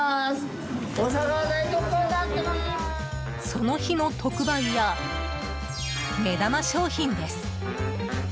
その日の特売や目玉商品です。